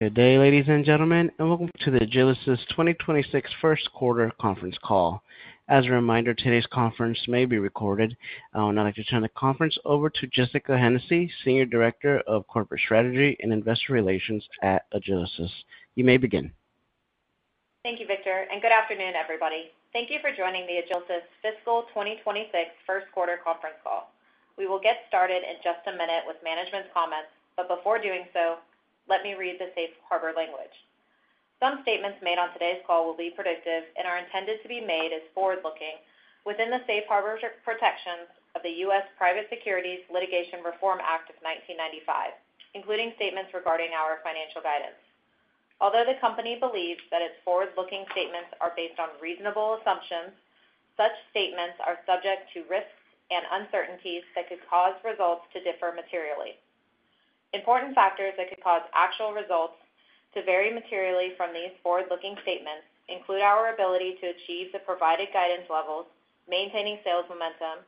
Good day, ladies and gentlemen, and welcome to the Gilasys twenty twenty six First Quarter Conference Call. As a reminder, today's conference may be recorded. I would now like to turn the conference over to Jessica Hennessy, Senior Director of Corporate Strategy and Investor Relations at Agilysys. You may begin. Thank you, Victor, and good afternoon, everybody. Thank you for joining the Agilysys fiscal twenty twenty six first quarter conference call. We will get started in just a minute with management's comments, but before doing so, let me read the safe harbor language. Some statements made on today's call will be predictive and are intended to be made as forward looking within the Safe Harbor protections of The U. S. Private Securities Litigation Reform Act of 1995, including statements regarding our financial guidance. Although the company believes that its forward looking statements are based on reasonable assumptions, such statements are subject to risks and uncertainties that could cause results to differ materially. Important factors that could cause actual results to vary materially from these forward looking statements include our ability to achieve the provided guidance levels, maintaining sales momentum,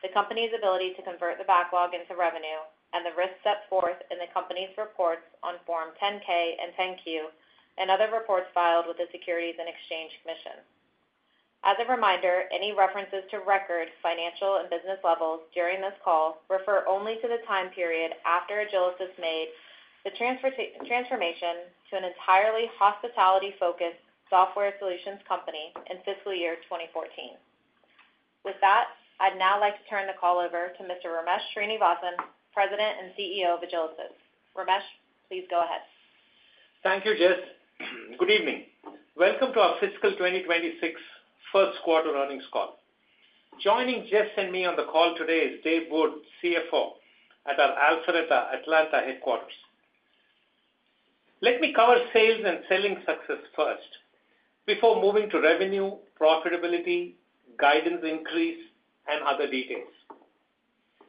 the company's ability to convert the backlog into revenue, and the risks set forth in the company's reports on Form 10 ks and 10 Q, and other reports filed with the Securities and Exchange Commission. As a reminder, any references to record financial and business levels during this call refer only to the time period after Agilis has made the transformation to an entirely hospitality focused software solutions company in fiscal year twenty fourteen. With that, I'd now like to turn the call over to Mr. Ramesh Srinivasan, President and CEO of Agilisys. Ramesh, please go ahead. Thank you, Jess. Good evening. Welcome to our fiscal twenty twenty six first quarter earnings call. Joining Jess and me on the call today is Dave Wood, CFO at our Alcerta Atlanta headquarters. Let me cover sales and selling success first before moving to revenue, profitability, guidance increase, and other details.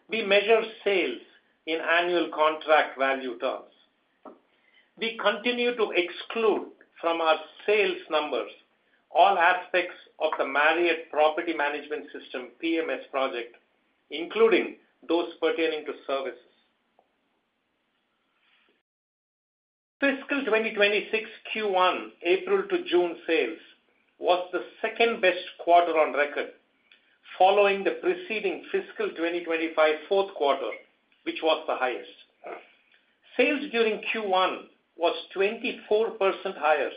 We measure sales in annual contract value terms. We continue to exclude from our sales numbers all aspects of the Marriott Property Management System project, including those pertaining to services. Fiscal twenty twenty six Q1 April to June sales was the second best quarter on record, following the preceding fiscal twenty twenty five fourth quarter, which was the highest. Sales during Q1 was 24% higher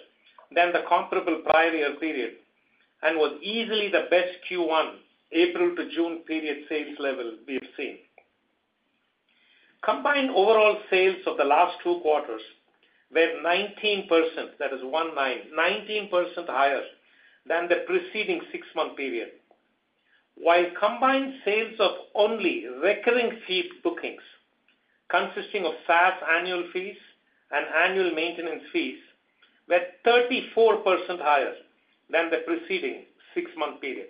than the comparable prior year period and was easily the best Q1 April to June period sales level we have seen. Combined overall sales of the last two quarters were 19%, that is one nine, 19% higher than the preceding six month period. While combined sales of only recurring fee bookings, consisting of SaaS annual fees and annual maintenance fees, were 34% higher than the preceding six month period.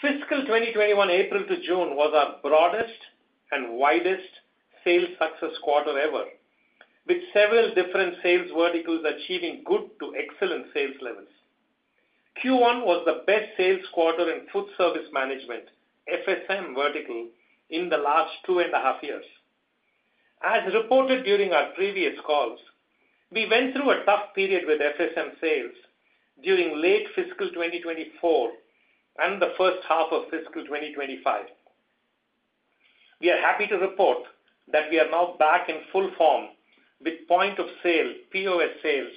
Fiscal twenty twenty one April to June was our broadest and widest sales success quarter ever, with several different sales verticals achieving good to excellent sales levels. Q1 was the best sales quarter in food service management, FSM, vertical in the last two and a half years. As reported during our previous calls, we went through a tough period with FSM sales during late fiscal twenty twenty four and the first half of fiscal twenty twenty five. We are happy to report that we are now back in full form with point of sale POS sales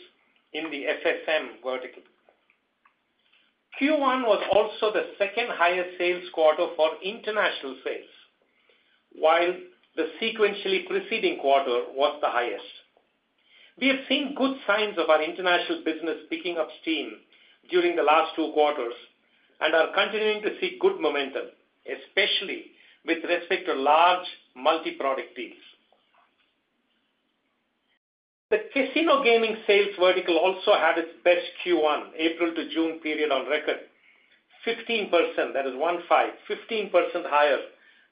in the FSM vertical. Q1 was also the second highest sales quarter for international sales, while the sequentially preceding quarter was the highest. We have seen good signs of our international business picking up steam during the last two quarters and are continuing to see good momentum, especially with respect to large multi product deals. The casino gaming sales vertical also had its best Q1 April to June period on record, 15%, that is one-five, 15% higher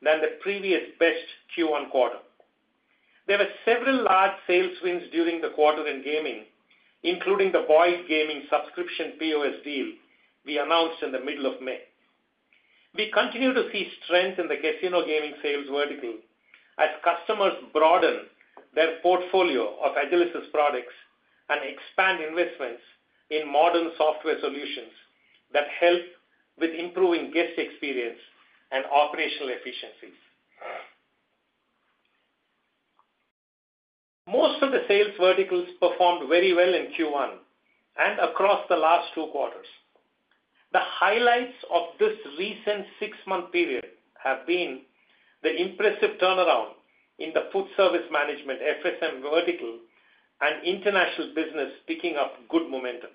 than the previous best Q1 quarter. There were several large sales wins during the quarter in gaming, including the Boyd Gaming subscription POS deal we announced in the May. We continue to see strength in the casino gaming sales vertical as customers broaden their portfolio of Agilysys products and expand investments in modern software solutions that help with improving guest experience and operational efficiencies. Most of the sales verticals performed very well in Q1 and across the last two quarters. The highlights of this recent six month period have been the impressive turnaround in the Foodservice Management vertical and International business picking up good momentum.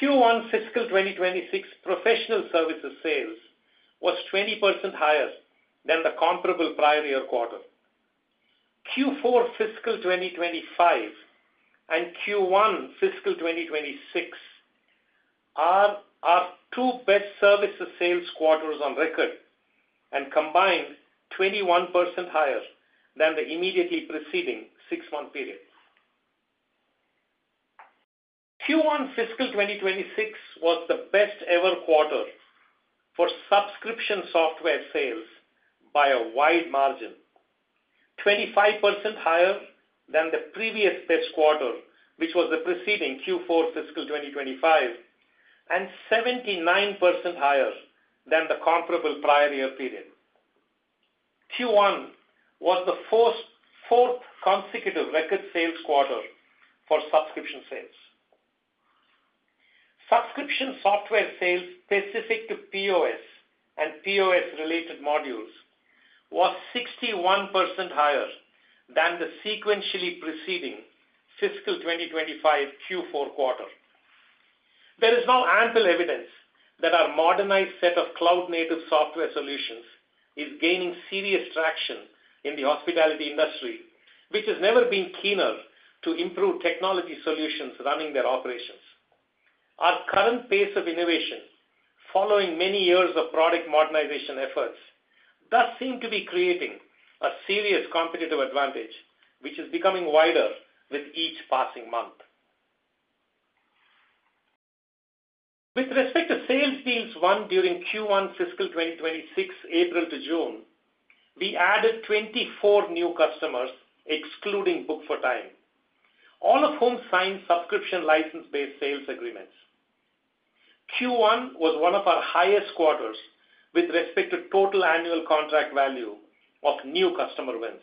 Q1 fiscal twenty twenty six professional services sales was 20% higher than the comparable prior year quarter. Q4 fiscal twenty twenty five and Q1 fiscal twenty twenty six are our two best services sales quarters on record and combined 21% higher than the immediately preceding six month period. Q1 fiscal twenty twenty six was the best ever quarter for subscription software sales by a wide margin, 25% higher than the previous test quarter, which was the preceding Q4 fiscal twenty twenty five, and seventy nine percent higher than the comparable prior year period. Q1 was the fourth consecutive record sales quarter for subscription sales. Subscription software sales specific to POS and POS related modules was 61% higher than the sequentially preceding fiscal twenty twenty five Q4 quarter. There is now ample evidence that our modernized set of cloud native software solutions is gaining serious traction in the hospitality industry, which has never been keener to improve technology solutions running their operations. Our current pace of innovation, following many years of product modernization efforts, does seem to be creating a serious competitive advantage, which is becoming wider with each passing month. With respect to sales deals won during Q1 fiscal twenty twenty six, April to June, we added 24 new customers, excluding Book for Time, all of whom signed subscription license based sales agreements. Q1 was one of our highest quarters with respect to total annual contract value of new customer wins.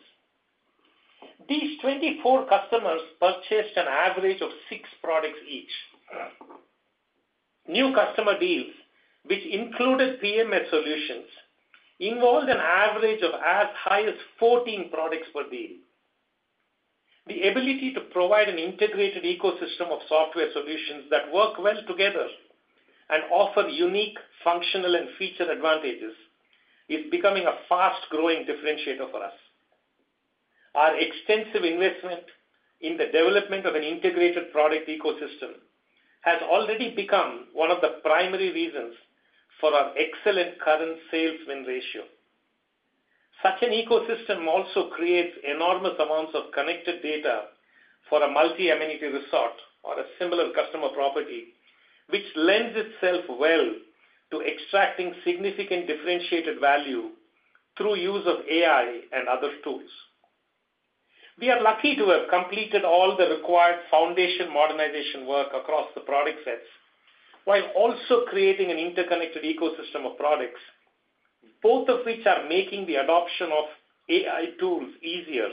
These 24 customers purchased an average of six products each. New customer deals, which included PMS solutions, involved an average of as high as 14 products per deal. The ability to provide an integrated ecosystem of software solutions that work well together and offer unique functional and feature advantages is becoming a fast growing differentiator for us. Our extensive investment in the development of an integrated product ecosystem has already become one of the primary reasons for our excellent current sales win ratio. Such an ecosystem also creates enormous amounts of connected data for a multi amenity resort or a similar customer property, which lends itself well to extracting significant differentiated value through use of AI and other tools. We are lucky to have completed all the required foundation modernization work across the product sets, while also creating an interconnected ecosystem of products, both of which are making the adoption of AI tools easier,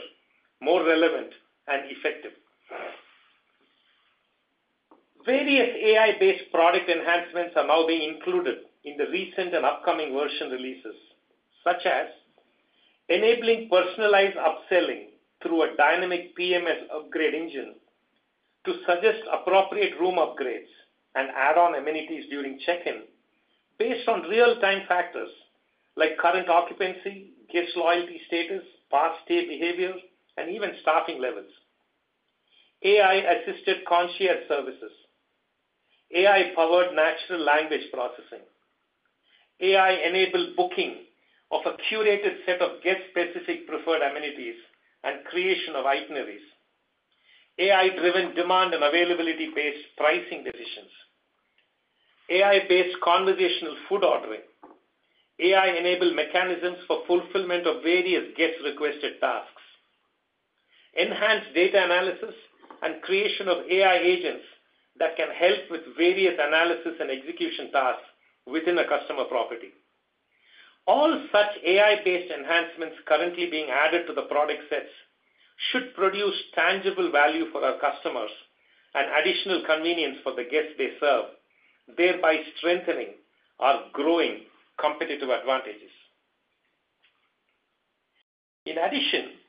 more relevant, and effective. Various AI based product enhancements are now being included in the recent and upcoming version releases, such as enabling personalized upselling through a dynamic PMS upgrade engine to suggest appropriate room upgrades and add on amenities during check-in based on real time factors like current occupancy, guest loyalty status, past stay behavior, and even staffing levels. AI assisted concierge services. AI powered natural language processing. AI enabled booking of a curated set of guest specific preferred amenities and creation of itineraries, AI driven demand and availability based pricing decisions, AI based conversational food ordering, AI enabled mechanisms for fulfillment of various guest requested tasks, enhanced data analysis, and creation of AI agents that can help with various analysis and execution tasks within a customer property. All such AI based enhancements currently being added to the product sets should produce tangible value for our customers and additional convenience for the guests they serve, thereby strengthening our growing competitive advantages. In addition,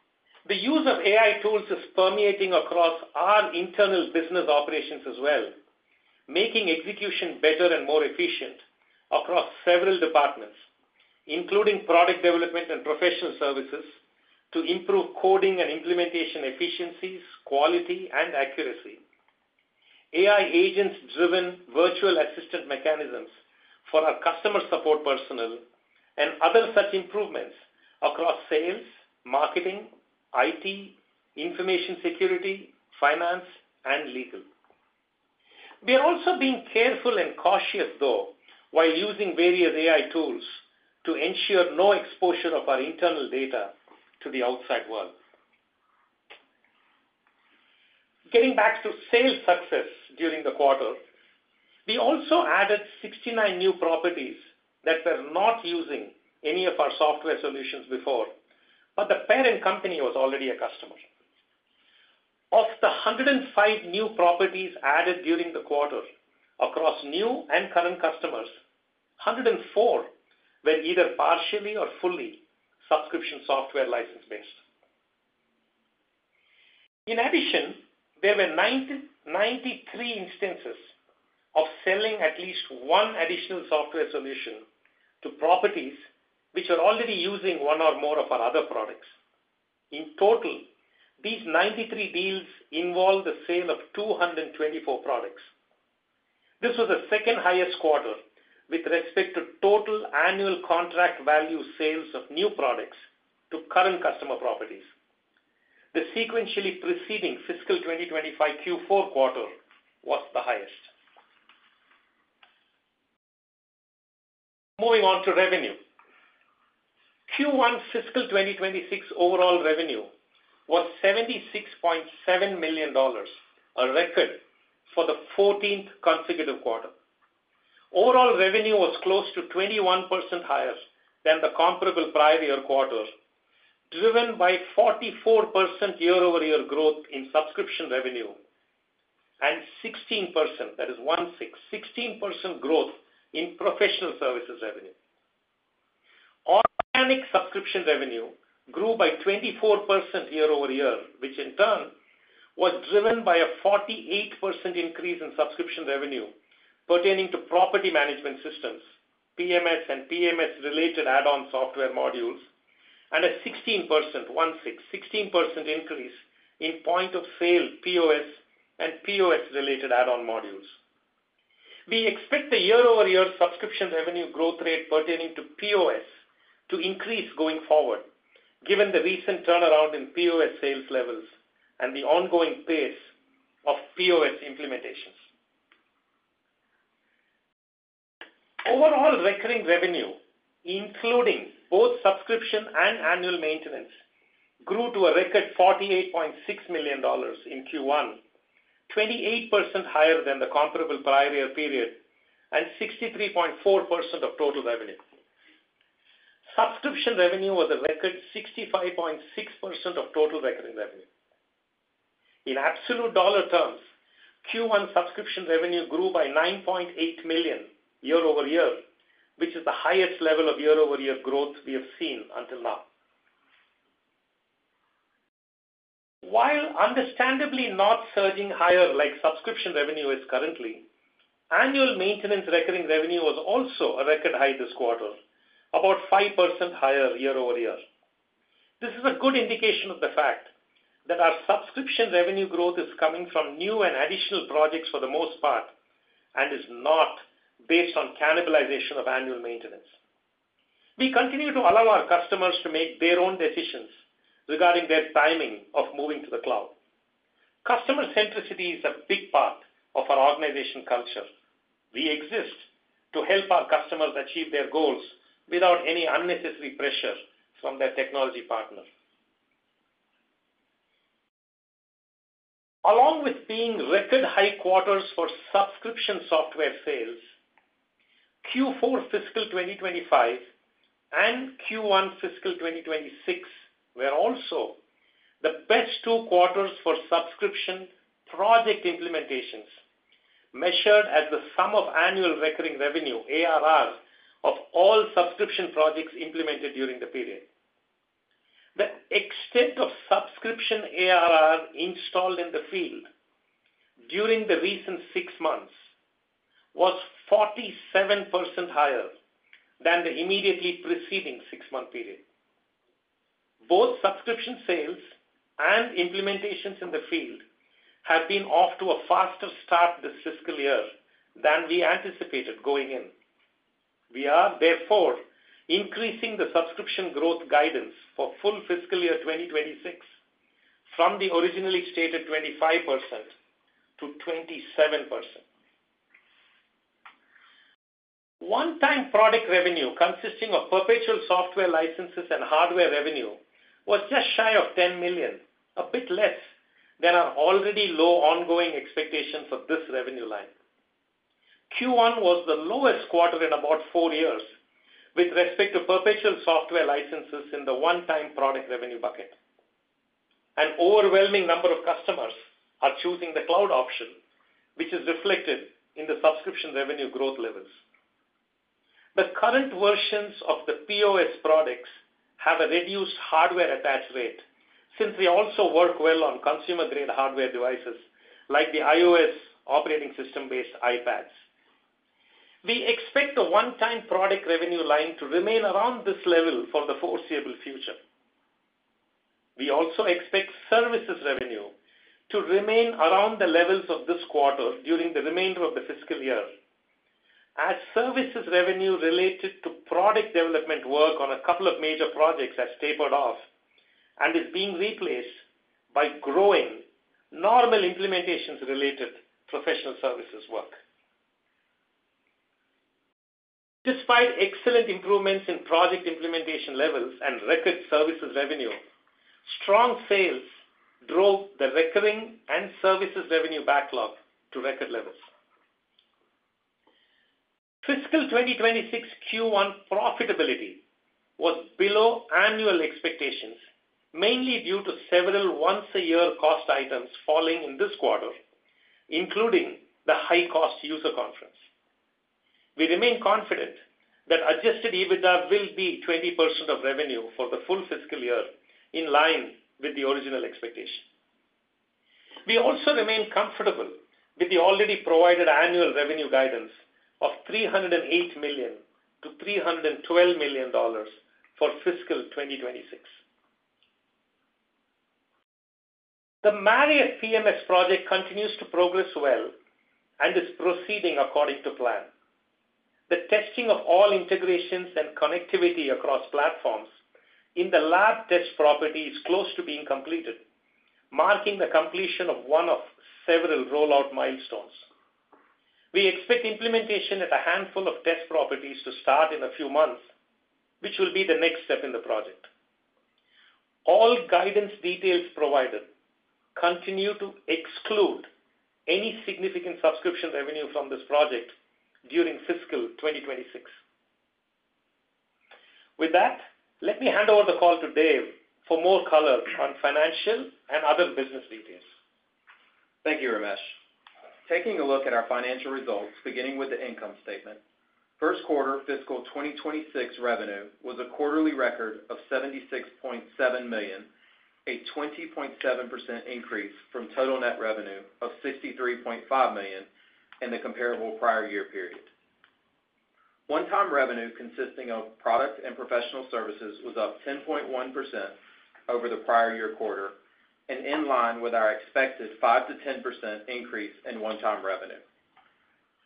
the use of AI tools is permeating across our internal business operations as well, making execution better and more efficient across several departments, including product development and professional services to improve coding and implementation efficiencies, quality and accuracy. AI agents driven virtual assistant mechanisms for our customer support personnel, and other such improvements across sales, marketing, IT, information security, finance, and legal. We are also being careful and cautious, though, while using various AI tools to ensure no exposure of our internal data to the outside world. Getting back to sales success during the quarter, we also added 69 new properties that were not using any of our software solutions before, but the parent company was already a customer. Of the 105 new properties added during the quarter across new and current customers, 104 were either partially or fully subscription software license based. In addition, there were 93 instances of selling at least one additional software solution to properties which are already using one or more of our other products. In total, these 93 deals involved the sale of two twenty four products. This was the second highest quarter with respect to total annual contract value sales of new products to current customer properties. The sequentially preceding fiscal twenty twenty five Q4 quarter was the highest. Moving on to revenue. Q1 fiscal twenty twenty six overall revenue was $76,700,000 a record for the fourteenth consecutive quarter. Overall revenue was close to 21% higher than the comparable prior year quarter, driven by 44% year over year growth in subscription revenue and 16%, that is one six, 16% growth in professional services revenue. Organic subscription revenue grew by 24% year over year, which in turn was driven by a 48% increase in subscription revenue pertaining to property management systems, PMS and PMS related add on software modules, and a 16% increase in point of sale POS and POS related add on modules. We expect the year over year subscription revenue growth rate pertaining to POS to increase going forward, given the recent turnaround in POS sales levels and the ongoing pace of POS implementations. Overall, recurring revenue, including both subscription and annual maintenance, grew to a record $48,600,000 in Q1, 28% higher than the comparable prior year period, and 63.4% of total revenue. Subscription revenue was a record 65.6% of total revenue. In absolute dollar terms, Q1 subscription revenue grew by $9,800,000 year over year, which is the highest level of year over year growth we have seen until now. While understandably not surging higher like subscription revenue is currently, annual maintenance recurring revenue was also a record high this quarter, about 5% higher year over year. This is a good indication of the fact that our subscription revenue growth is coming from new and additional projects for the most part and is not based on cannibalization of annual maintenance. We continue to allow our customers to make their own decisions regarding their timing of moving to the cloud. Customer centricity is a big part of our organization culture. We exist to help our customers achieve their goals without any unnecessary pressure from their technology partners. Along with being record high quarters for subscription software sales, Q4 fiscal twenty twenty five and Q1 fiscal twenty twenty six were also the best two quarters for subscription project implementations, measured as the sum of annual recurring revenue, ARR, all subscription projects implemented during the period. The extent of subscription ARR installed in the field during the recent six months was 47% higher than the immediately preceding six month period. Both subscription sales and implementations in the field have been off to a faster start this fiscal year than we anticipated going in. We are therefore increasing the subscription growth guidance for full fiscal year 2026 from the originally stated 25% to 27%. One time product revenue consisting of perpetual software licenses and hardware revenue was just shy of $10,000,000 a bit less than our already low ongoing expectations of this revenue line. Q1 was the lowest quarter in about four years with respect to perpetual software licenses in the one time product revenue bucket. An overwhelming number of customers are choosing the cloud option, which is reflected in the subscription revenue growth levels. The current versions of the POS products have a reduced hardware attach rate since they also work well on consumer grade hardware devices like the iOS operating system based iPads. We expect the one time product revenue line to remain around this level for the foreseeable future. We also expect services revenue to remain around the levels of this quarter during the remainder of the fiscal year, as services revenue related to product development work on a couple of major projects has tapered off and is being replaced by growing normal implementations related professional services work. Despite excellent improvements in project implementation levels and record services revenue, strong sales drove the recurring and services revenue backlog to record levels. Fiscal twenty twenty six Q1 profitability was below annual expectations, mainly due to several once a year cost items falling in this quarter, including the high cost user conference. We remain confident that adjusted EBITDA will be 20 of revenue for the full fiscal year, in line with the original expectation. We also remain comfortable with the already provided annual revenue guidance of $3.00 $8,000,000 to $312,000,000 for fiscal twenty twenty six. The Marriott PMS project continues to progress well and is proceeding according to plan. The testing of all integrations and connectivity across platforms in the lab test property is close to being completed, marking the completion of one of several rollout milestones. We expect implementation at a handful of test properties to start in a few months, which will be the next step in the project. All guidance details provided continue to exclude any significant subscription revenue from this project during fiscal twenty twenty six. With that, let me hand over the call to Dave for more color on financial and other business details. Thank you, Ramesh. Taking a look at our financial results, beginning with the income statement. First quarter fiscal twenty twenty six revenue was a quarterly record of 76,700,000.0, a 20.7% increase from total net revenue of 63,500,000.0 in the comparable prior year period. One time revenue consisting of product and professional services was up 10.1% over the prior year quarter and in line with our expected 5% to 10% increase in one time revenue.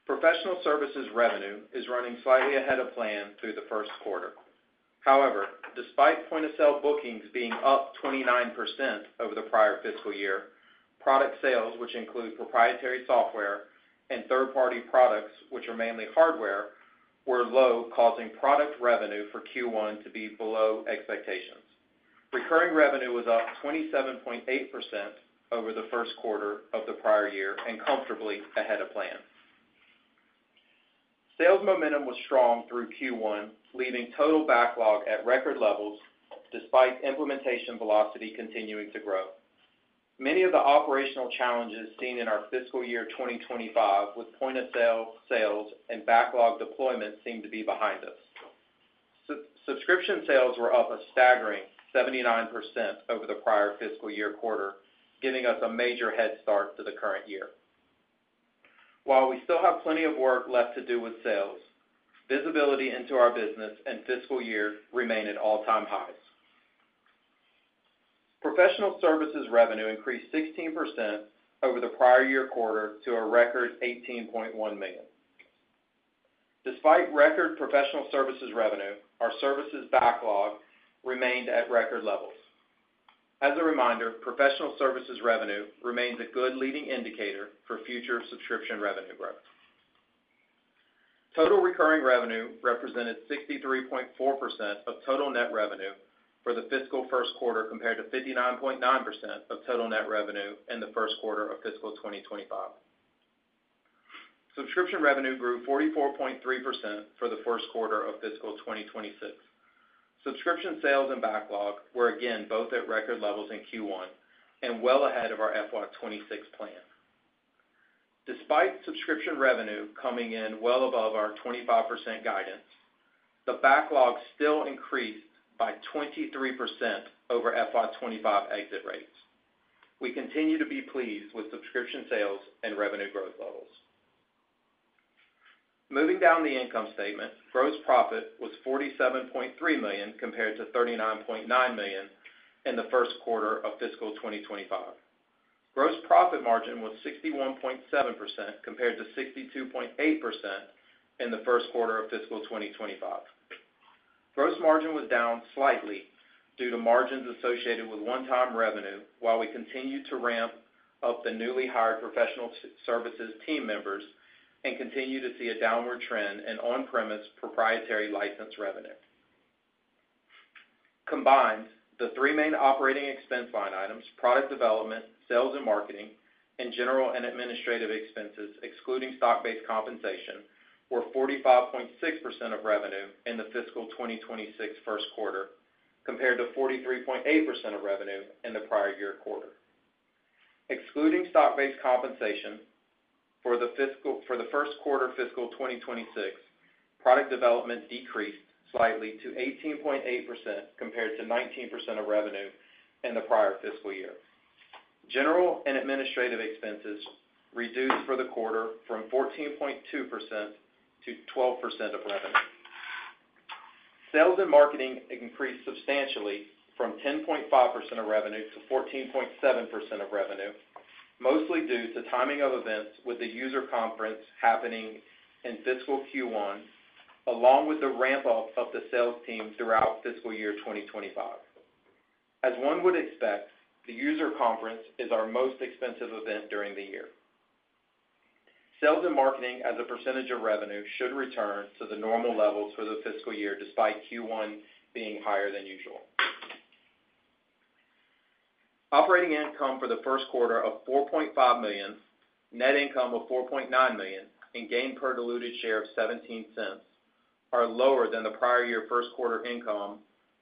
Professional services revenue is running slightly ahead of plan through the first quarter. However, despite point of sale bookings being up 29% over the prior fiscal year, product sales, which include proprietary software and third party products, which are mainly hardware, were low causing product revenue for Q1 to be below expectations. Recurring revenue was up 27.8% over the first quarter of the prior year and comfortably ahead of plan. Sales momentum was strong through Q1, leaving total backlog at record levels despite implementation velocity continuing to grow. Many of the operational challenges seen in our fiscal 2025 with point of sale sales and backlog deployments seem to be behind us. Subscription sales were up a staggering 79% over the prior fiscal year quarter, giving us a major head start to the current year. While we still have plenty of work left to do with sales, visibility into our business and fiscal year remain at all time highs. Professional services revenue increased 16% over the prior year quarter to a record $18,100,000 Despite record professional services revenue, our services backlog remained at record levels. As a reminder, professional services revenue remains a good leading indicator for future subscription revenue growth. Total recurring revenue represented 63.4% of total net revenue for the fiscal first quarter compared to 59.9% of total net revenue in the first quarter of fiscal twenty twenty five. Subscription revenue grew 44.3% for the first quarter of fiscal twenty twenty six. Subscription sales and backlog were again both at record levels in Q1 and well ahead of our FY 'twenty six plan. Despite subscription revenue coming in well above our 25% guidance, the backlog still increased by 23% over FY 'twenty five exit rates. We continue to be pleased with subscription sales and revenue growth levels. Moving down the income statement, gross profit was $47,300,000 compared to $39,900,000 in the first quarter of fiscal twenty twenty five. Gross profit margin was 61.7% compared to 62.8% in the first quarter of fiscal twenty twenty five. Gross margin was down slightly due to margins associated with one time revenue, while we continued to ramp up the newly hired professional services team members and continue to see a downward trend in on premise proprietary license revenue. Combined, the three main operating expense line items, product development, sales and marketing, and general and administrative expenses, excluding stock based compensation, were 45.6% of revenue in the fiscal twenty twenty six first quarter compared to 43.8% of revenue in the prior year quarter. Excluding stock based compensation for the fiscal for the first quarter fiscal twenty twenty six, product development decreased slightly to 18.8% compared to 19% of revenue in the prior fiscal year. General and administrative expenses reduced for the quarter from 14.2% to 12% of revenue. Sales and marketing increased substantially from 10.5% of revenue to 14.7% of revenue, mostly due to timing of events with the user conference happening in fiscal Q1, along with the ramp up of the sales team throughout fiscal year twenty twenty five. As one would expect, the user conference is our most expensive event during the year. Sales and marketing as a percentage of revenue should return to the normal levels for the fiscal year despite Q1 being higher than usual. Operating income for the first quarter of $4,500,000 net income of $4,900,000 and gain per diluted share of $0.17 are lower than the prior year first quarter income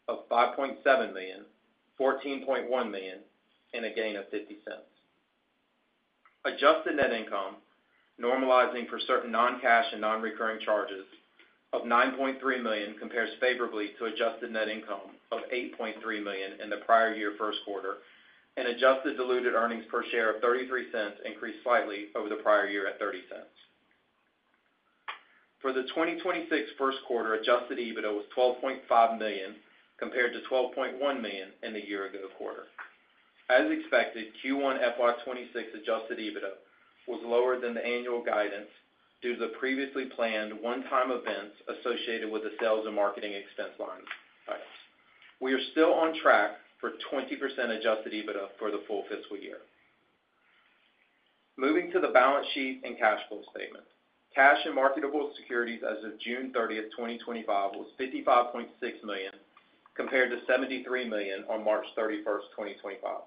of $5700000.014100000.0, and a gain of $0.50 Adjusted net income, normalizing for certain non cash and non recurring charges, of 9,300,000.0 compares favorably to adjusted net income of 8,300,000.0 in the prior year first quarter, and adjusted diluted earnings per share of $0.33 increased slightly over the prior year at $0.30 For the twenty twenty six first quarter, adjusted EBITDA was 12,500,000.0 compared to $12,100,000 in the year ago quarter. As expected, Q1 FY twenty twenty six adjusted EBITDA was lower than the annual guidance due to the previously planned onetime events associated with the sales and marketing expense line items. We are still on track for 20% adjusted EBITDA for the full fiscal year. Moving to the balance sheet and cash flow statement. Cash and marketable securities as of 06/30/2025 was $55,600,000 compared to $73,000,000 on 03/31/2025.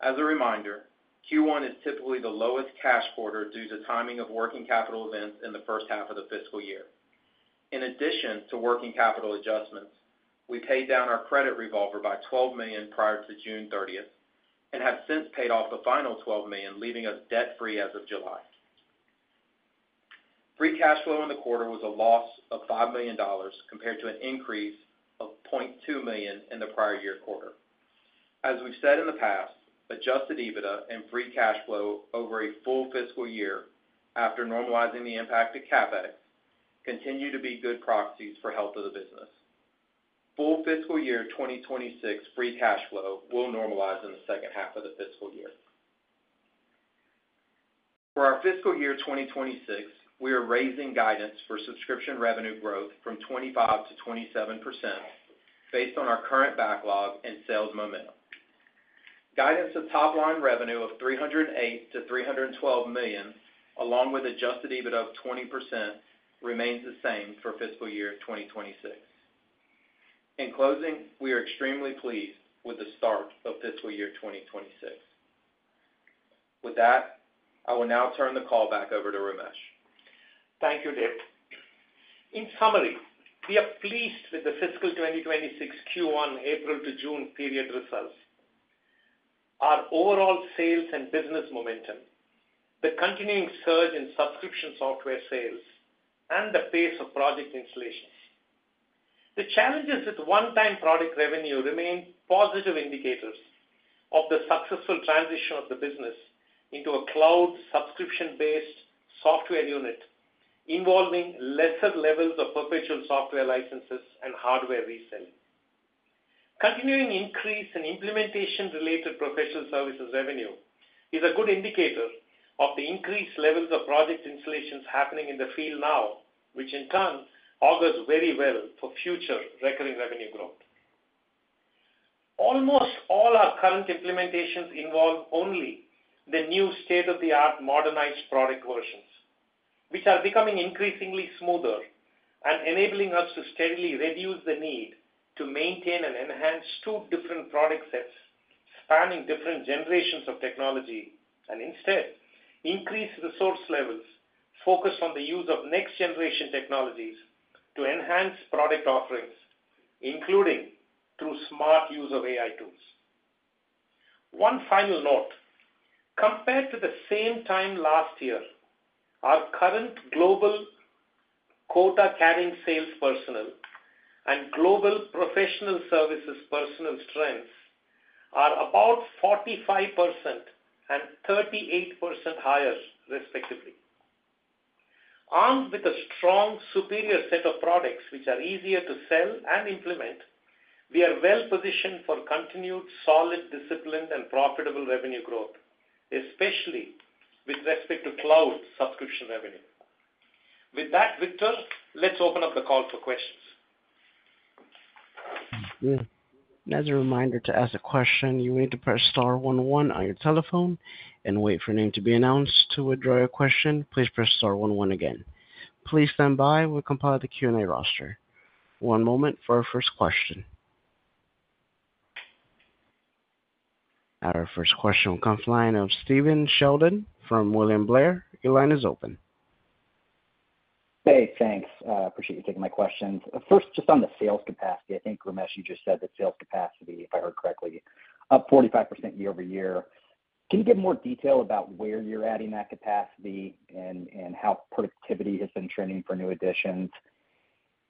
As a reminder, Q1 is typically the lowest cash quarter due to timing of working capital events in the first half of the fiscal year. In addition to working capital adjustments, we paid down our credit revolver by $12,000,000 prior to June 30, and have since paid off the final $12,000,000 leaving us debt free as of July. Free cash flow in the quarter was a loss of 5,000,000 compared to an increase of $200,000 in the prior year quarter. As we've said in the past, adjusted EBITDA and free cash flow over a full fiscal year after normalizing the impact to CapEx continue to be good proxies for health of the business. Full fiscal year twenty twenty six free cash flow will normalize in the second half of the fiscal year. For our fiscal year twenty twenty six, we are raising guidance for subscription revenue growth from 25% to 27% based on our current backlog and sales momentum. Guidance of top line revenue of $3.00 8,000,000 to $312,000,000 along with adjusted EBITDA of 20% remains the same for fiscal year twenty twenty six. In closing, we are extremely pleased with the start of fiscal year twenty twenty six. With that, I will now turn the call back over to Ramesh. Thank you, Dave. In summary, we are pleased with the fiscal twenty twenty six Q1 April to June period results, our overall sales and business momentum, the continuing surge in subscription software sales, and the pace of project installations. The challenges with one time product revenue remain positive indicators of the successful transition of the business into a cloud subscription based software unit involving lesser levels of perpetual software licenses and hardware resell. Continuing increase in implementation related professional services revenue is a good indicator of the increased levels of project installations happening in the field now, which in turn augurs very well for future recurring revenue growth. Almost all our current implementations involve only the new state of the art modernized product versions, which are becoming increasingly smoother and enabling us to steadily reduce the need to maintain and enhance two different product sets spanning different generations of technology and instead increase resource levels focused on the use of next generation technologies to enhance product offerings, including through smart use of AI tools. One final note. Compared to the same time last year, our current global quota carrying sales personnel and global professional services personnel strengths are about 4538% higher, respectively. Armed with a strong, superior set of products which are easier to sell and implement, we are well positioned for continued solid, disciplined, and profitable revenue growth, especially with respect to cloud subscription revenue. With that, Victor, let's open up the call for questions. Our first question will come from the line of Stephen Sheldon from William Blair. Your line is open. Hey, thanks. Appreciate you taking my questions. First, just on the sales capacity. I think, Ramesh, you just said that sales capacity, if I heard correctly, up 45% year over year. Can you give more detail about where you're adding that capacity and how productivity has been trending for new additions?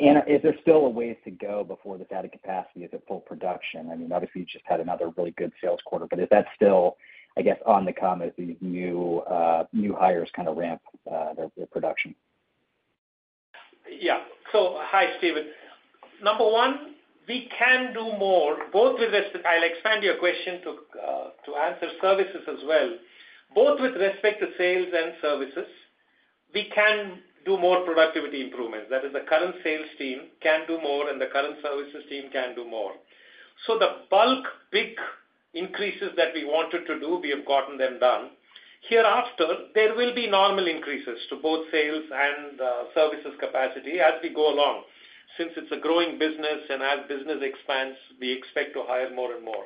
And is there still a ways to go before this added capacity at the full production? I mean, obviously, you just had another really good sales quarter, but is that still, I guess, on the come as these new hires kind of ramp their production? Yeah. So, Steven. Number one, we can do more, both with respect I'll expand your question to answer services as well. Both with respect to sales and services, we can do more productivity improvements. That is, the current sales team can do more, and the current services team can do more. So the bulk big increases that we wanted to do, we have gotten them done. Hereafter, there will be normal increases to both sales and services capacity as we go along. Since it's a growing business and as business expands, we expect to hire more and more.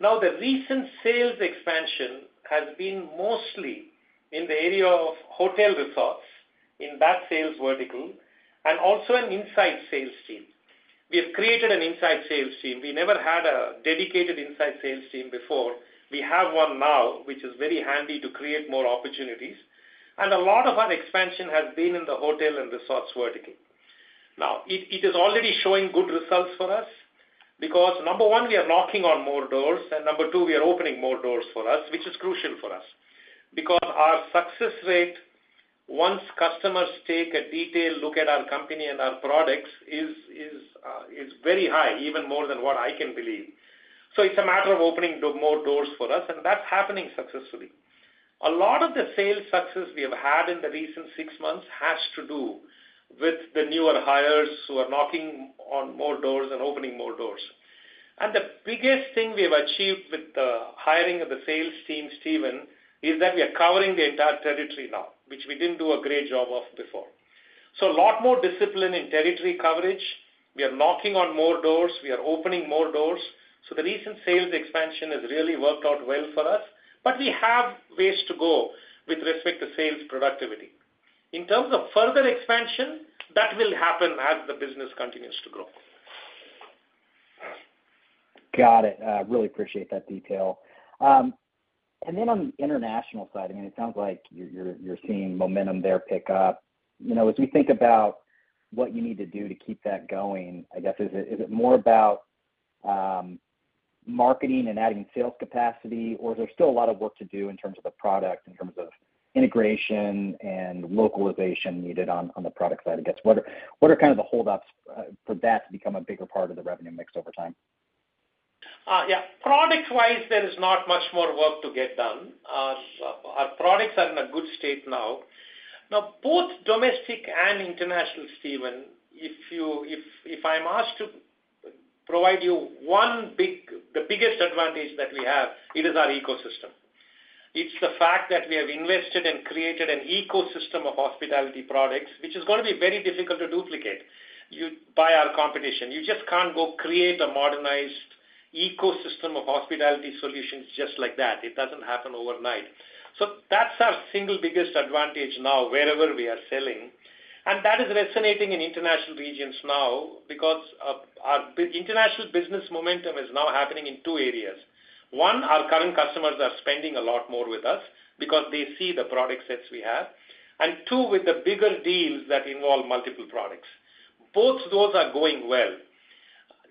Now the recent sales expansion has been mostly in the area of hotel resorts in that sales vertical, and also an inside sales team. We have created an inside sales team. We never had a dedicated inside sales team before. We have one now, which is very handy to create more opportunities. And a lot of our expansion has been in the hotel and resorts vertical. Now, it is already showing good results for us because number one, we are knocking on more doors and number two, are opening more doors for us, which is crucial for us. Because our success rate, once customers take a detailed look at our company and our products, is very high, even more than what I can believe. So it's a matter of opening more doors for us, and that's happening successfully. A lot of the sales success we have had in the recent six months has to do with the newer hires who are knocking on more doors and opening more doors. And the biggest thing we have achieved with the hiring of the sales team, Steven, is that we are covering the entire territory now, which we didn't do a great job of before. So a lot more discipline in territory coverage. We are knocking on more doors. We are opening more doors. So the recent sales expansion has really worked out well for us. But we have ways to go with respect to sales productivity. In terms of further expansion, that will happen as the business continues to grow. Got it. I really appreciate that detail. And then on the international side, I mean, sounds like you're seeing momentum there pick up. As we think about what you need to do to keep that going, I guess, is more about marketing and adding sales capacity? Or is there still a lot of work to do in terms of the product, in terms of integration and localization needed on the product side? Guess, what are kind of the holdups for that to become a bigger part of the revenue mix over time? Yeah. Product wise, there is not much more work to get done. Our products are in a good state now. Now, domestic and international, Steven, if you if if I'm asked to provide you one big the biggest advantage that we have, it is our ecosystem. It's the fact that we have invested and created an ecosystem of hospitality products, which is going to be very difficult to duplicate by our competition. You just can't go create a modernized ecosystem of hospitality solutions just like that. It doesn't happen overnight. So that's our single biggest advantage now wherever we are selling. And that is resonating in international regions now because our international business momentum is now happening in two areas. One, our current customers are spending a lot more with us because they see the product sets we have. And two, with the bigger deals that involve multiple products. Both of those are going well.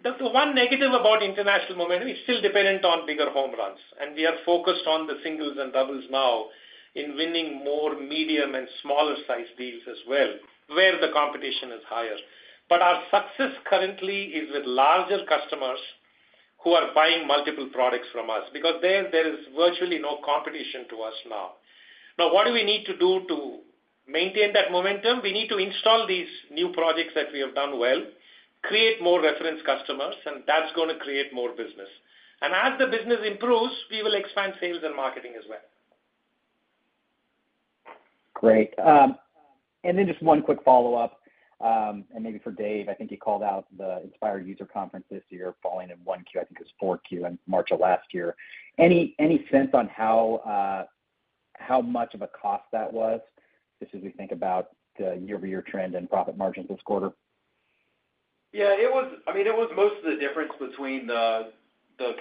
The one negative about international momentum is still dependent on bigger home runs. And we are focused on the singles and doubles now in winning more medium and smaller sized deals as well, where the competition is higher. But our success currently is with larger customers who are buying multiple products from us because there there is virtually no competition to us now. Now what do we need to do to maintain that momentum? We need to install these new projects that we have done well, create more reference customers, and that's gonna create more business. And as the business improves, we will expand sales and marketing as well. Great. And then just one quick follow-up. And maybe for Dave, I think you called out the Inspire user conference this year falling in 1Q. I think it was 4Q in March. Any any sense on how much of a cost that was, just as we think about the year over year trend and profit margins this quarter? Yeah, it was most of the difference between the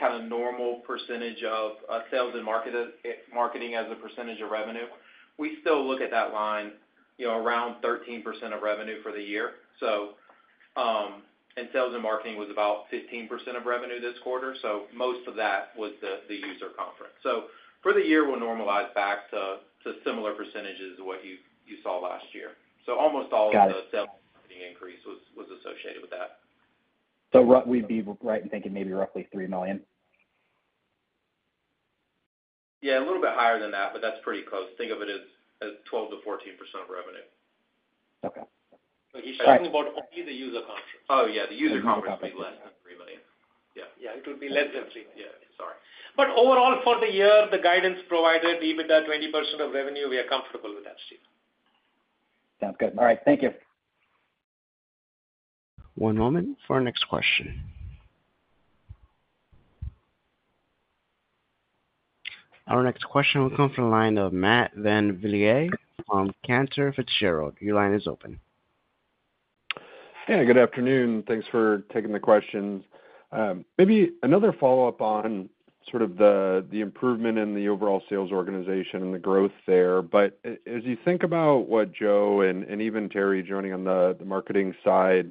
kind of normal percentage of sales and marketing as a percentage of revenue, we still look at that line, you know, around 13% of revenue for the year. So and sales and marketing was about 15% of revenue this quarter, so most of that was the the user conference. So for the year, we'll normalize back to to similar percentages of what you you saw last year. So almost all of the sales increase was was associated with that. So what we'd be right in thinking maybe roughly 3,000,000? Yeah. A little bit higher than that, but that's pretty close. Think of it as as 12 to 14% revenue. Okay. He's talking about only the user conference. Oh, yeah. The user conference would be less than 3,000,000. Yeah. Yeah. It would be less than three. Yeah. Sorry. But overall, for the year, the guidance provided, the EBITDA 20% of revenue, we are comfortable with that, Steve. Sounds good. Alright. Thank you. One moment for our next question. Our next question will come from the line of Matt Van Villais from Cantor Fitzgerald. Maybe another follow-up on sort of the improvement in the overall sales organization and the growth there. But as you think about what Joe and even Terry joining on the marketing side,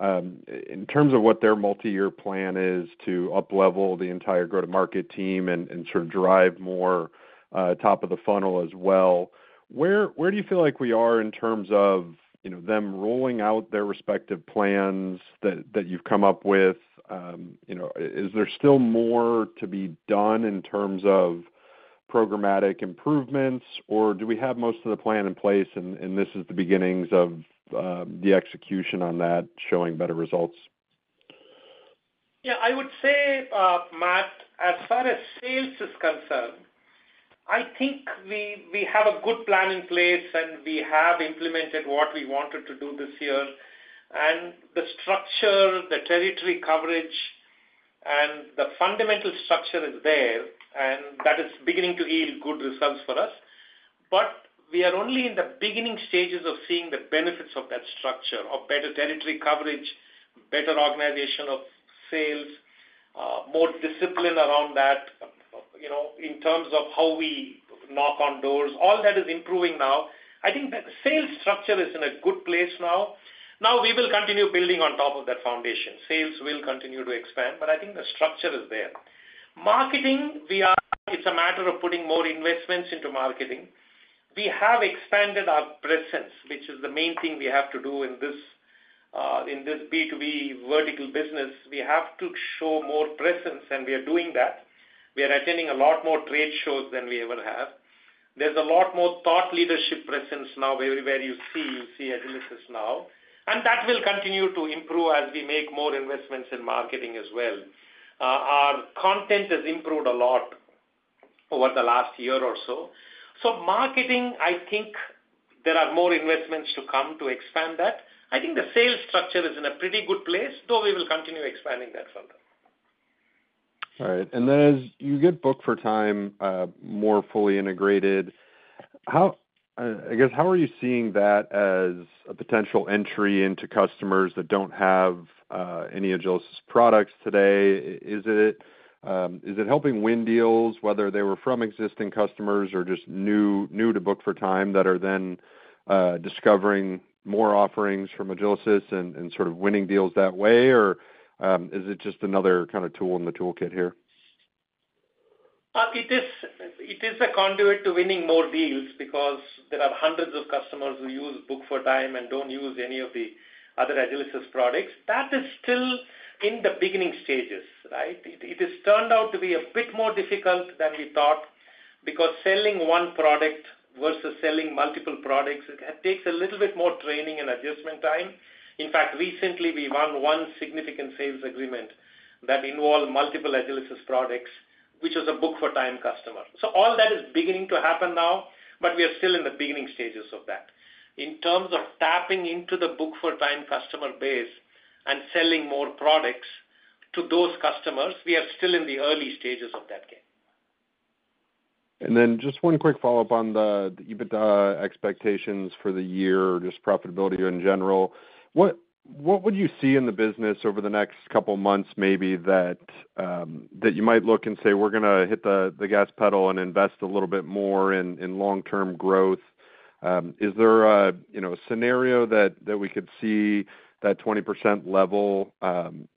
in terms of what their multiyear plan is to up level the entire go to market team and drive more top of the funnel as well. Where do you feel like we are in terms of them rolling out their respective plans that you've come up with? Is there still more to be done in terms of programmatic improvements? Or do we have most of the plan in place and this is the beginnings of the execution on that showing better results? Yeah, I would say, Matt, as far as sales is concerned, I think we have a good plan in place, and we have implemented what we wanted to do this year. And the structure, the territory coverage, and the fundamental structure is there, and that is beginning to yield good results for us. But we are only in the beginning stages of seeing the benefits of that structure of better territory coverage, better organization of sales, more discipline around that, you know, in terms of how we knock on doors. All that is improving now. I think that the sales structure is in a good place now. Now we will continue building on top of that foundation. Sales will continue to expand, but I think the structure is there. Marketing, we are it's a matter of putting more investments into marketing. We have expanded our presence, which is the main thing we have to do in this this b to b vertical business. We have to show more presence, and we are doing that. We are attending a lot more trade shows than we ever have. There's a lot more thought leadership presence now where you see see at Elysis now, and that will continue to improve as we make more investments in marketing as well. Our content has improved a lot over the last year or so. So marketing, I think there are more investments to come to expand that. I think the sales structure is in a pretty good place, though we will continue expanding that further. Alright. And then as you get Book for Time more fully integrated, how are you seeing that as a potential entry into customers that don't have any of Joseph's products today? Is it helping win deals, whether they were from existing customers or just new to Book for Time that are then discovering more offerings from Agilus and sort of winning deals that way? Or is it just another kind of tool in the toolkit here? It is a conduit to winning more deals because there are hundreds of customers who use Book4Dime and don't use any of the other Agilysys products. That is still in the beginning stages, right? It has turned out to be a bit more difficult than we thought, because selling one product versus selling multiple products takes a little bit more training and adjustment time. In fact, recently we won one significant sales agreement that involved multiple Agilysys products, which was a book for time customer. So all that is beginning to happen now, but we are still in the beginning stages of that. In terms of tapping into the book for time customer base and selling more products to those customers, we are still in the early stages of that game. And then just one quick follow-up on the EBITDA expectations for the year, just profitability in general. What would you see in the business over the next couple of months maybe that you might look and say, we're going to hit the gas pedal and invest a little bit more in long term growth? Is there a scenario that we could see that 20% level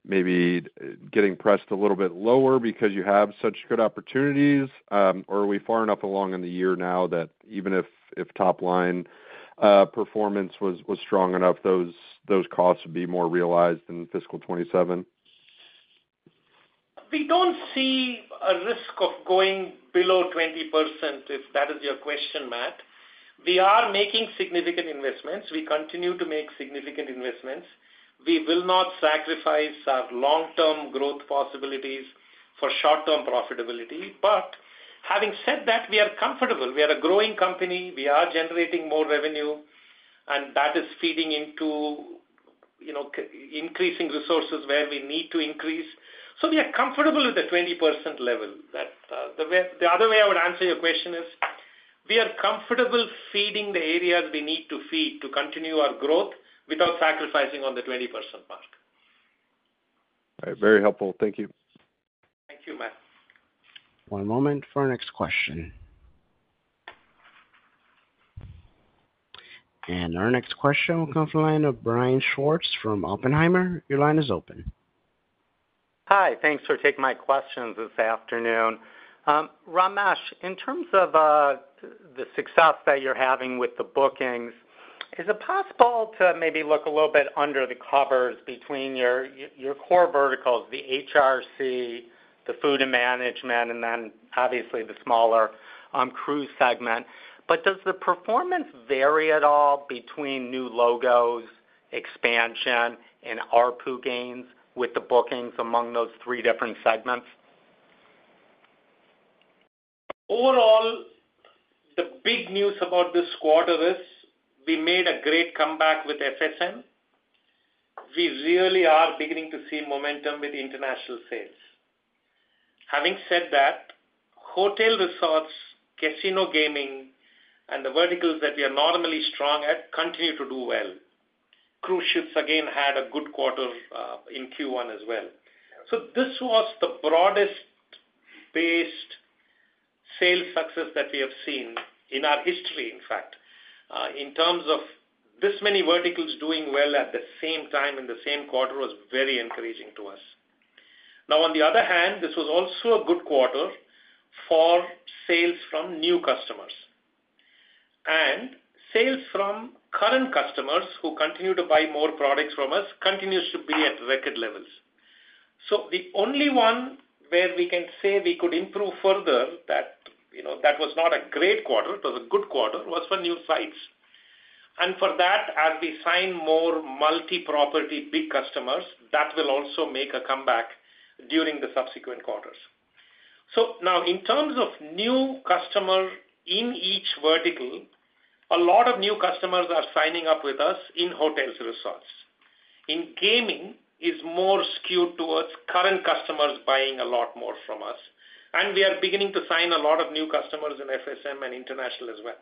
maybe getting pressed a little bit lower because you have such good opportunities? Or are we far enough along in the year now that even if top line performance was strong enough, those costs would be more realized in fiscal twenty twenty seven? We don't see a risk of going below 20%, if that is your question, Matt. We are making significant investments. We continue to make significant investments. We will not sacrifice our long term growth possibilities for short term profitability. But having said that, we are comfortable. We are a growing company. We are generating more revenue. And that is feeding into increasing resources where we need to increase. So we are comfortable with the 20% level. The other way I would answer your question is we are comfortable feeding the areas we need to feed to continue our growth without sacrificing on the 20% mark. Alright. Very helpful. Thank you. Thank you, Matt. One moment for our next question. And our next question will come from the line of Brian Schwartz from Oppenheimer. Ramesh, in terms of the success that you're having with the bookings, is it possible to maybe look a little bit under the covers between your core verticals, the HRC, the Food and Management and then obviously the smaller Cruise segment. But does the performance vary at all between new logos, expansion and ARPU gains with the bookings among those three different segments? Overall, the big news about this quarter is we made a great comeback with FSM. We really are beginning to see momentum with international sales. Having said that, hotel resorts, casino gaming, and the verticals that we are normally strong at continue to do well. Cruise ships again had a good quarter in q one as well. So this was the broadest based sales success that we have seen in our history, in fact, in terms of this many verticals doing well at the same time in the same quarter was very encouraging to us. Now on the other hand, this was also a good quarter for sales from new customers. And sales from current customers who continue to buy more products from us continues to be at record levels. So the only one where we can say we could improve further, that was not a great quarter, was a good quarter, was for new sites. And for that, as we sign more multi property big customers, that will also make a comeback during the subsequent quarters. So now in terms of new customer in each vertical, a lot of new customers are signing up with us in hotels resorts. In gaming, it's more skewed towards current customers buying a lot more from us. And we are beginning to sign a lot of new customers in FSM and international as well.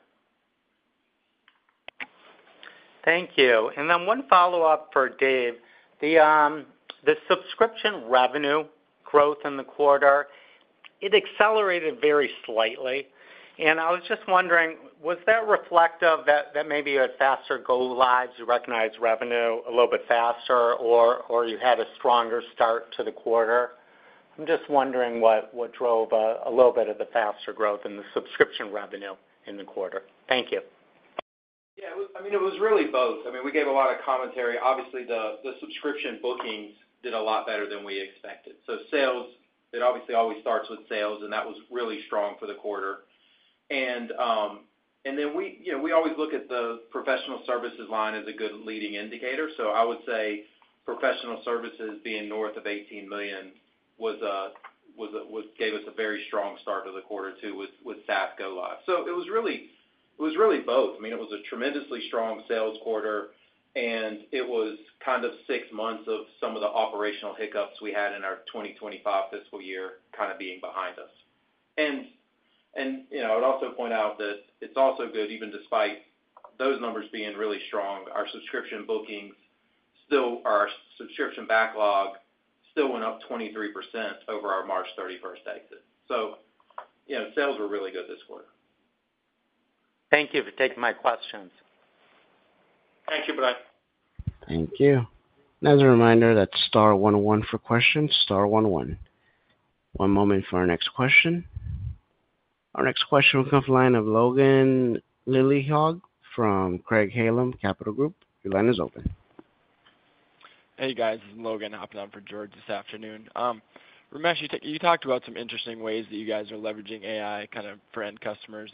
Thank you. And then one follow-up for Dave. The subscription revenue growth in the quarter, it accelerated very slightly. And I was just wondering, was that reflective that maybe you had faster go lives, recognize revenue a little bit faster or you had a stronger start to the quarter? I'm just wondering what drove a little bit of the faster growth in the subscription revenue in the quarter. Thank you. Yeah, I mean, was really both. I mean, we gave a lot of commentary. Obviously, the subscription bookings did a lot better than we expected. So sales, it obviously always starts with sales, and that was really strong for the quarter. And and then we, you know, we always look at the professional services line as a good leading indicator. So I would say professional services being north of 18,000,000 was a was a was gave us a very strong start of the quarter to So it was really it was really both. I mean, it was a tremendously strong sales quarter. And it was kind of six months of some of the operational hiccups we had in our 2025 fiscal year kind of being behind us. And and, you know, I would also point out that it's also good even despite those numbers being really strong. Our subscription bookings still our subscription backlog still went up 23% over our March 31 exit. So, you know, sales were really good this quarter. Thank you for taking my questions. Thank you, Brad. Thank you. One moment for our next question. Our next question will come from the line of Logan Lilliehogg from Craig Hallum Capital Group. Your line is open. Hey, guys. This is Logan hopping on for George this afternoon. Ramesh, you talked about some interesting ways that you guys are leveraging AI kind of for end customers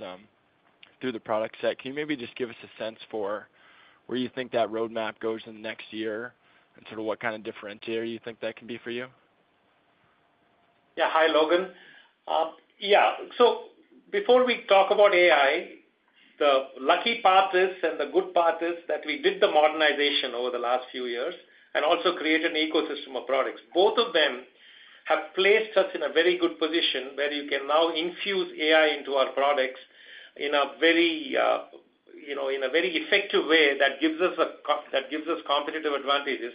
through the product set. Can you maybe just give us a sense for where you think that road map goes in the next year and sort of what kind of differentiator you think that can be for you? Yeah. Hi, Logan. Yeah. So before we talk about AI, the lucky part is and the good part is that we did the modernization over the last few years and also created an ecosystem of products. Both of them have placed us in a very good position where you can now infuse AI into our products in a very effective way that gives us competitive advantages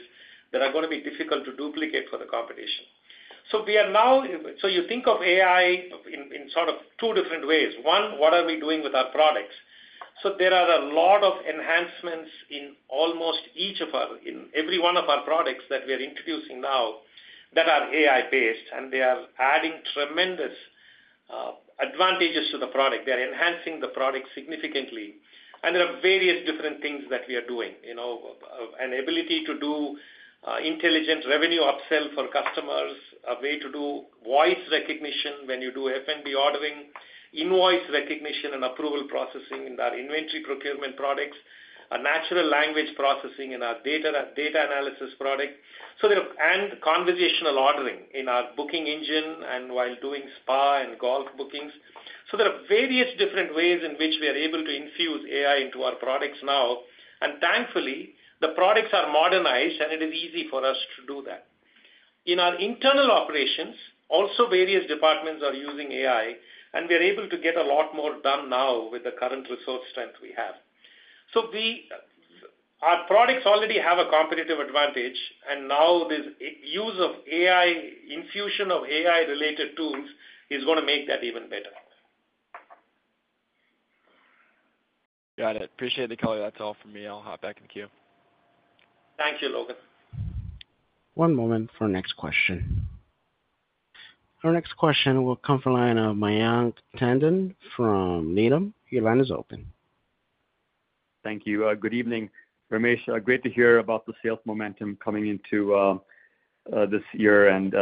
that are going to be difficult to duplicate for the competition. So we are now so you think of AI in sort of two different ways. One, what are we doing with our products? So there are a lot of enhancements in almost each of our in every one of our products that we are introducing now that are AI based, and they are adding tremendous advantages to the product. They are enhancing the product significantly. And there are various different things that we are doing, you know, an ability to do intelligent revenue upsell for customers, a way to do voice recognition when you do F and B ordering, invoice recognition and approval processing in our inventory procurement products, a natural language processing in our data analysis product. And conversational ordering in our booking engine and while doing spa and golf bookings. So there are various different ways in which we are able to infuse AI into our products now. And thankfully, the products are modernized, and it is easy for us to do that. In our internal operations, also various departments are using AI, and we're able to get a lot more done now with the current resource strength we have. So our products already have a competitive advantage, and now this use of AI infusion of AI related tools is gonna make that even better. Got it. Appreciate the color. That's all for me. I'll hop back in the queue. Thank you, Logan. One moment for next question. Our next question will come from the line of Mayank Tandon from Needham. Your line is open. Thank you. Good evening, Ramesh. Great to hear about the sales momentum coming into this year and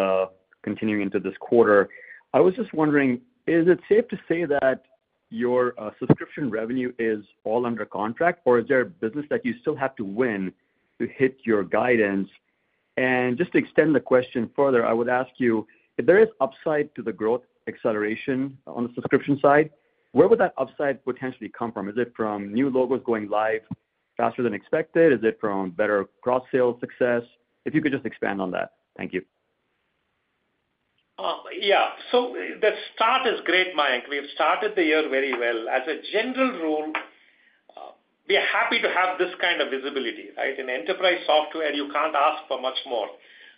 continuing into this quarter. I was just wondering, is it safe to say that your subscription revenue is all under contract, or is there a business that you still have to win to hit your guidance? And just to extend the question further, I would ask you, if there is upside to the growth acceleration on the subscription side, where would that upside potentially come from? Is it from new logos going live faster than expected? Is it from better cross sales success? If you could just expand on that. Thank you. Yeah. So the start is great, Mike. We have started the year very well. As a general rule, we are happy to have this kind of visibility. In enterprise software, you can't ask for much more.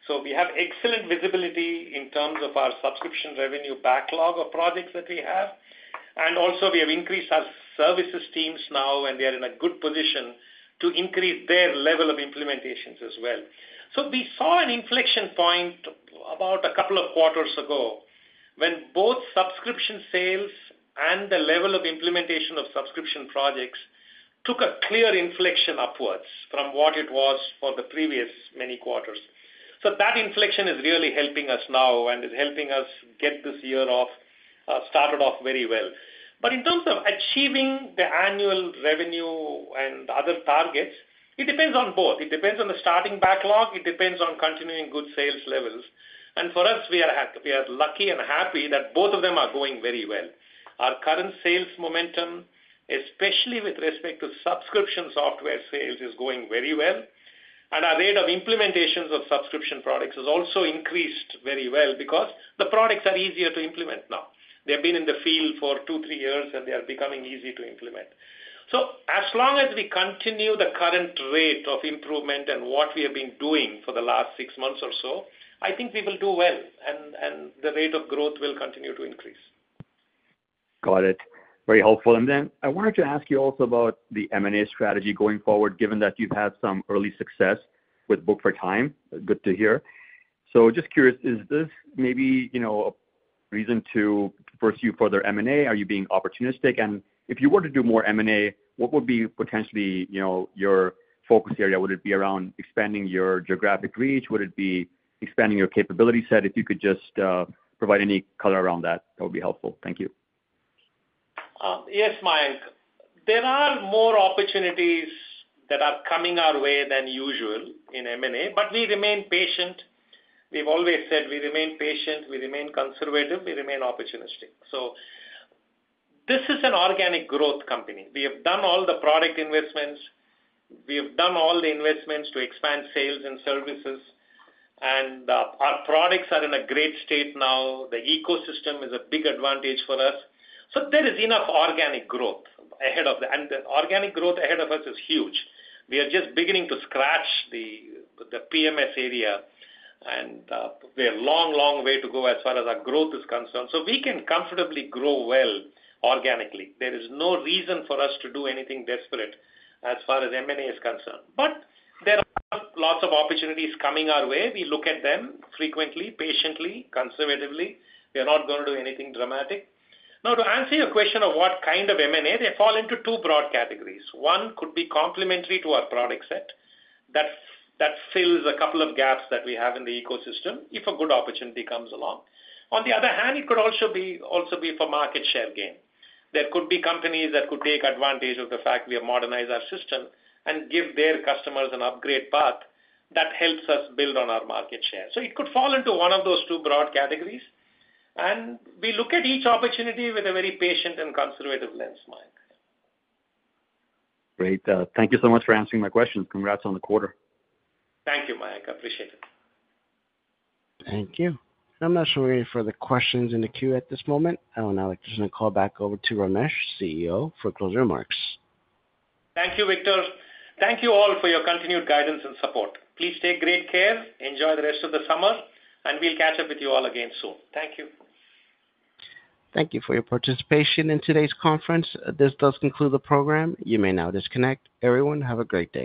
So we have excellent visibility in terms of our subscription revenue backlog of projects that we have. And also, we have increased our services teams now, and we are in a good position to increase their level of implementations as well. So we saw an inflection point about a couple of quarters ago when both subscription sales and the level of implementation of subscription projects took a clear inflection upwards from what it was for the previous many quarters. So that inflection is really helping us now and is helping us get this year off started off very well. But in terms of achieving the annual revenue and other targets, it depends on both. It depends on the starting backlog. It depends on continuing good sales levels. And for us, we are are lucky and happy that both of them are going very well. Our current sales momentum, especially with respect to subscription software sales, is going very well. And our rate of implementations of subscription products has also increased very well because the products are easier to implement now. They have been in the field for two, three years, and they are becoming easy to implement. So as long as we continue the current rate of improvement and what we have been doing for the last six months or so, I think we will do well. And the rate of growth will continue to increase. Got it. Very helpful. And then I wanted to ask you also about the M and A strategy going forward, given that you've had some early success with Book for Time. Good to hear. So just curious, is this maybe, you know, a reason to pursue further m and a? Are you being opportunistic? And if you were to do more m and a, what would be potentially, you know, your focus area? Would it be around expanding your geographic reach? Would it be expanding your capability set? If you could just provide any color around that, that would be helpful. Thank you. Yes, Mayank. There are more opportunities that are coming our way than usual in M and A, but we remain patient. We've always said we remain patient, we remain conservative, we remain opportunistic. So this is an organic growth company. We have done all the product investments. We have done all the investments to expand sales and services, and our products are in a great state now. The ecosystem is a big advantage for us. So there is enough organic growth ahead of and the organic growth ahead of us is huge. We are just beginning to scratch the the PMS area, and we have a long, long way to go as far as our growth is concerned. So we can comfortably grow well organically. There is no reason for us to do anything desperate as far as m and a is concerned. But there are lots of opportunities coming our way. We look at them frequently, patiently, conservatively. We are not gonna do anything dramatic. Now to answer your question of what kind of m and a, they fall into two broad One could be complementary to our product set that fills a couple of gaps that we have in the ecosystem if a good opportunity comes along. On the other hand, it could also be for market share gain. There could be companies that could take advantage of the fact we have modernized our system and give their customers an upgrade path that helps us build on our market share. So it could fall into one of those two broad categories. And we look at each opportunity with a very patient and conservative lens, Mayank. Great. Thank you so much for answering my question. Congrats on the quarter. Thank you, Mayank. Appreciate it. Thank you. I'm not showing any further questions in the queue at this moment. I would now like to turn the call back over to Ramesh, CEO, for closing remarks. Thank you, Victor. Thank you all for your continued guidance and support. Please take great care. Enjoy the rest of the summer, and we'll catch up with you all again soon. Thank you. Thank you for your participation in today's conference. This does conclude the program. You may now disconnect. Everyone, have a great day.